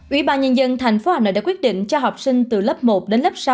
ủy ban nhân dân tp hà nội đã quyết định cho học sinh từ lớp một đến lớp sáu